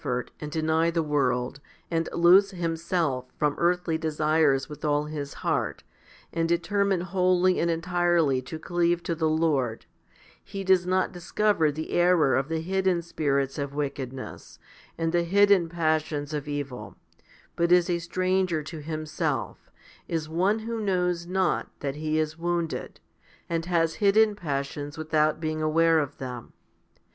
o FIFTY SPIRITUAL HOMILIES and deny the world, and loose himself from earthly desires with all his heart, and determine wholly and entirely to cleave to the Lord, he does not discover the error of the hidden spirits of wickedness, and the hidden passions of evil, but is a stranger to himself, as one who knows not that he is wounded, and has hidden passions without being aware of them.